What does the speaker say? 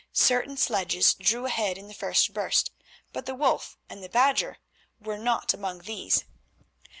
Certain sledges drew ahead in the first burst, but the Wolf and the Badger were not among these.